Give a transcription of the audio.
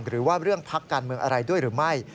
หรือว่าเรื่องพักการเมืองอะไรด้วยหรือไม่